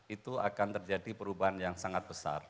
itu akan terjadi perubahan yang sangat besar